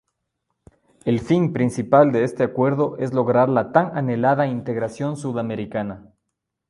El fin principal de este acuerdo es lograr la tan anhelada integración sudamericana.